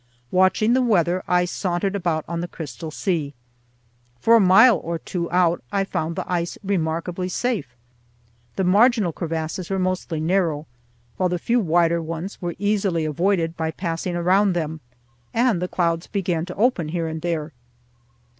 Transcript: Watching the weather, I sauntered about on the crystal sea. For a mile or two out I found the ice remarkably safe. The marginal crevasses were mostly narrow, while the few wider ones were easily avoided by passing around them, and the clouds began to open here and there.